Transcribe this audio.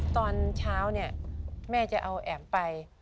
ตอนเช้าเนี่ยแม่จะเอาแอ๋มไป